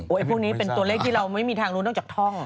พวกนี้เป็นตัวเลขที่เราไม่มีทางรู้นอกจากท่อง